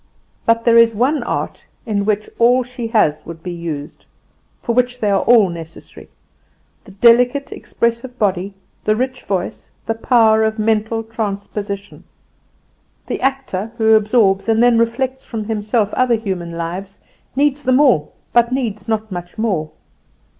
"But there is one art in which all she has would be used, for which they are all necessary the delicate expressive body, the rich voice, the power of mental transposition. The actor, who absorbs and then reflects from himself other human lives, needs them all, but needs not much more.